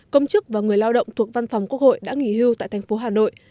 công chức và người lao động thuộc văn phòng quốc hội đã nghỉ hưu tại thành phố hà nội